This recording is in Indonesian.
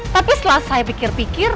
tapi setelah saya pikir pikir